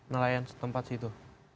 nelayan setempat situ